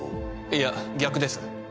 いや逆です。